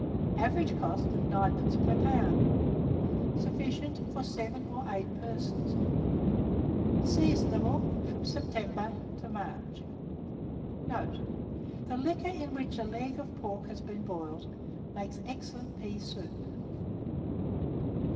Average cost, 9d. per lb. Sufficient for 7 or 8 persons. Seasonable from September to March. Note. The liquor in which a leg of pork has been boiled, makes excellent pea soup.